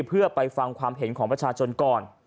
เพื่อไปฟังความเห็นของประชาชนก่อน